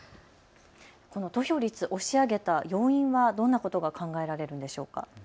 この投票率、押し上げた要因はどんなことが考えられるんでしょうか。